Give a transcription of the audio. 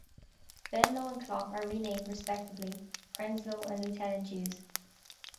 Venlo and Klop are renamed, respectively, Prenslo and Lieutenant Joos.